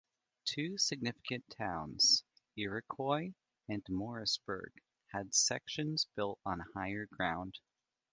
Two significant towns, Iroquois and Morrisburg had sections built on higher ground.